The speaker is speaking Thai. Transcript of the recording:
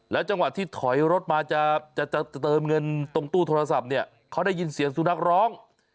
จังหวะที่ถอยรถมาจะเติมเงินตรงตู้โทรศัพท์เนี่ยเขาได้ยินเสียงสุนัขร้อง